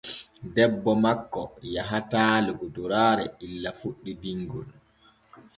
Debbo makko yahataa lokotoraare illa fuɗɗi dinŋol.